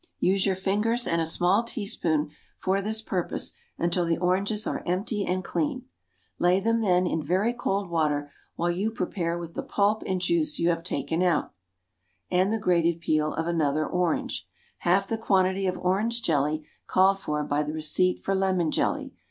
Use your fingers and a small teaspoon for this purpose until the oranges are empty and clean. Lay them then in very cold water while you prepare with the pulp and juice you have taken out, and the grated peel of another orange, half the quantity of orange jelly called for by the receipt for lemon jelly.